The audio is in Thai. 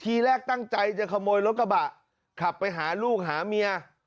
ทีแรกตั้งใจจะขโมยรถกระบะขับไปหาลูกหาเมีย